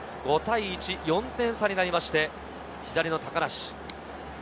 ５対１、４点差になって左の高梨。